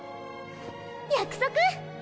約束！